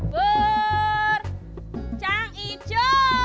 pur cang ijo